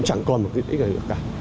chẳng còn một tiện ích này nữa cả